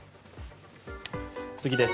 次です。